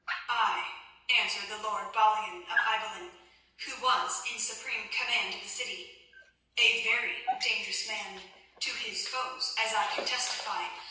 "Ay," answered the lord Balian of Ibelin, who was in supreme command of the city, "a very dangerous man—to his foes, as I can testify.